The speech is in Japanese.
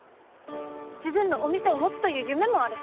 自分のお店を持つという夢もある。